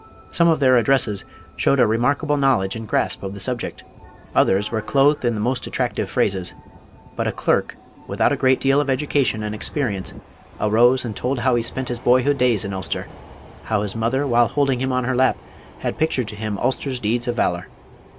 Some of their addresses showed a remarkable knowledge and grasp of the subject; others were clothed in the most attractive phrases. But a clerk, without a great deal of education and experience, arose and told how he spent his boyhood days in Ulster, how his mother while holding him on her lap had pictured to him Ulster's deeds of valor.